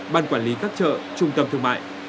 bàn quản lý các chợ trung tâm thương mại